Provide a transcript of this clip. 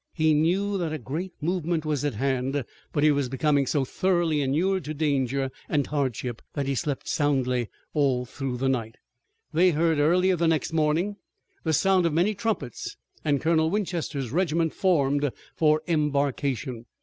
He knew that a great movement was at hand, but he was becoming so thoroughly inured to danger and hardship that he slept soundly all through the night. They heard early the next morning the sound of many trumpets and Colonel Winchester's regiment formed for embarkation.